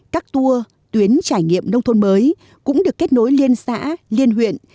các tour tuyến trải nghiệm nông thôn mới cũng được kết nối liên xã liên huyện